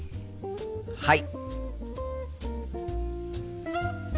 はい！